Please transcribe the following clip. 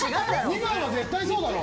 ２番は絶対そうだろ。